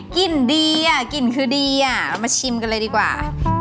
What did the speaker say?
กินดีอ่ะกลิ่นคือดีอ่ะเอามาชิมกันเลยดีกว่า